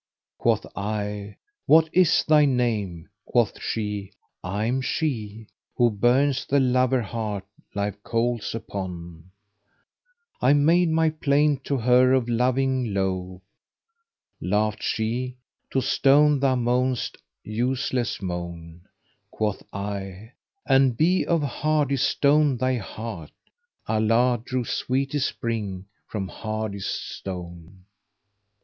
Quoth I, 'What is thy name?' Quoth she, 'I'm she, * Who burns the lover heart live coals upon:' I made my plaint to her of loving lowe; * Laughed she, 'To stone thou moanest useless moan!' Quoth I, 'An be of hardest stone thy heart, * Allah drew sweetest spring from hardest stone.'